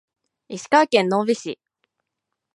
石川県能美市